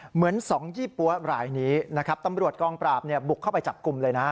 เหมือนสองยี่ปั๊วรายนี้นะครับตำรวจกองปราบบุกเข้าไปจับกลุ่มเลยนะ